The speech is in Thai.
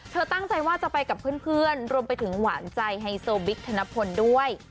ตั้งใจว่าจะไปกับเพื่อนรวมไปถึงหวานใจไฮโซบิ๊กธนพลด้วย